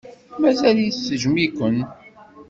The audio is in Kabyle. Mazal-itt tejjem-iken.